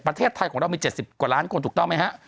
ประเทศไทยของเรามี๗๐กว่าล้านคนถูกต้องไหมฮะ